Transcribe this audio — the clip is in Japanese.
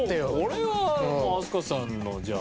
これはもう飛鳥さんのじゃあ。